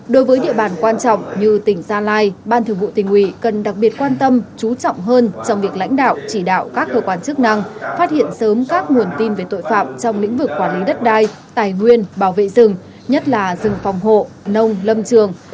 đối với địa bàn quan trọng như tỉnh gia lai ban thường vụ tỉnh ủy cần đặc biệt quan tâm chú trọng hơn trong việc lãnh đạo chỉ đạo các cơ quan chức năng phát hiện sớm các nguồn tin về tội phạm trong lĩnh vực quản lý đất đai tài nguyên bảo vệ rừng nhất là rừng phòng hộ nông lâm trường